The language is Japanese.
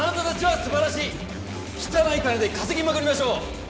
汚い金で稼ぎまくりましょう！